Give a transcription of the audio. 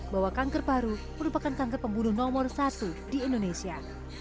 bahwa kanker paru merupakan kanker pembunuh nomor satu di indonesia